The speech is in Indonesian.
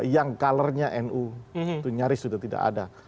yang colornya nu itu nyaris sudah tidak ada